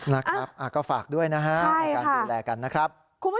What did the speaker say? นะครับก็ฝากด้วยนะฮะในการดูแลกันนะครับ